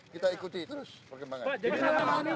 kita ikuti terus perkembangan